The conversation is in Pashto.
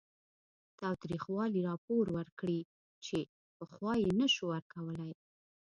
تاوتریخوالي راپور ورکړي چې پخوا یې نه شو ورکولی